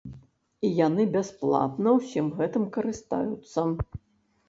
І яны бясплатна ўсім гэтым карыстаюцца.